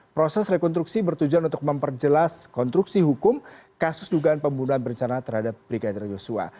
proses rekonstruksi bertujuan untuk memperjelas konstruksi hukum kasus dugaan pembunuhan berencana terhadap brigadir yosua